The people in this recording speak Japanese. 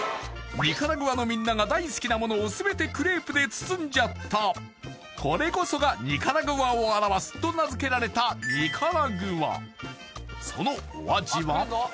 ニカラグアのみんなが大好きなものを全てクレープで包んじゃったこれこそがニカラグアを表すと名付けられたそのお味は？